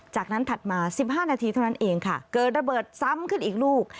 จากนั้นถัดมา๑๕นาทีเท่านั้นเองค่ะเกิดระเบิดซ้ำขึ้นอีกลูก